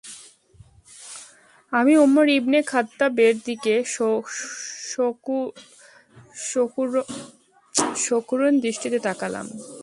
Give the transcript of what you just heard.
আমি Umar ibn খাত্তাবের দিকে সকরুণ দৃষ্টিতে তাকালাম।